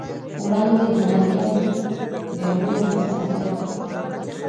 وړانګې د ماريا د بيولو مخالفت وکړ.